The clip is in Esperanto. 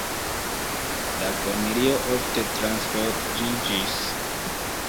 La familio ofte transloĝiĝis.